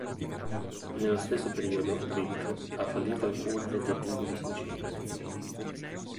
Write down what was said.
Nello stesso periodo Vic ha fallito alcuni tentativi di suicidio.